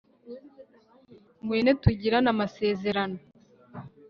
ngwino tugirane amasezerano